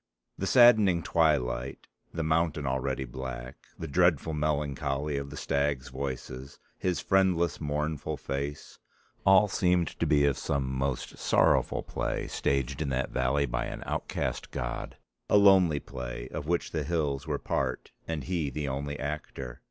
The saddening twilight, the mountain already black, the dreadful melancholy of the stags' voices, his friendless mournful face, all seemed to be of some most sorrowful play staged in that valley by an outcast god, a lonely play of which the hills were part and he the only actor.